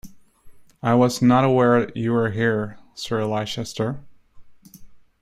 I was not aware that you were here, Sir Leicester.